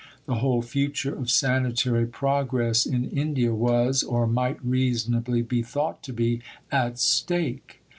The whole future of sanitary progress in India was, or might reasonably be thought to be, at stake.